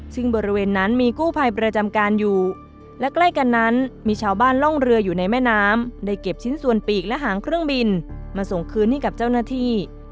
ซึ่งบริเวณนั้นมีกู้ภัยประจำการอยู่และใกล้กันนั้นมีชาวบ้านล่องเรืออยู่ในแม่น้ำได้เก็บชิ้นส่วนปีกและหางเครื่องบินมาส่งคืนให้กับเจ้าหน้าที่